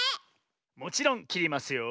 もちろんきりますよ。